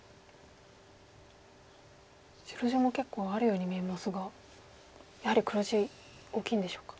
白地も結構あるように見えますがやはり黒地大きいんでしょうか。